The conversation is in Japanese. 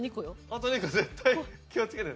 あと２個絶対気を付けて。